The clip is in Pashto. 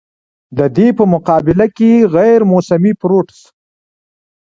د دې پۀ مقابله کښې غېر موسمي فروټس